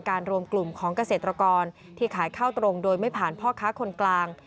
รวมกลุ่มของเกษตรกรที่ขายข้าวตรงโดยไม่ผ่านพ่อค้าคนกลาง